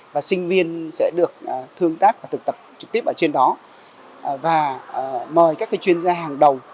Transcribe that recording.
và sinh viên sẽ được thương tác và thực tập trực tiếp ở trên đó và mời các chuyên gia hàng đầu